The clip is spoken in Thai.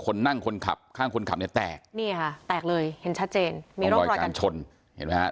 คนนั่งคนขับข้างคนขับเนี้ยแตกนี่ค่ะแตกเลยเห็นชัดเจน